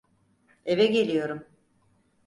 Eve geliyorum.